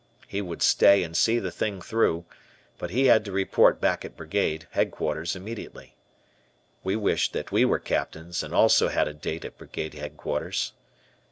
He would stay and see the thing through, but he had to report back at Brigade Headquarters immediately. We wished that we were Captains and also had a date at Brigade Headquarters.